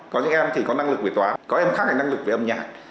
có những em thì có năng lực về tóa có em khác là năng lực về âm nhạc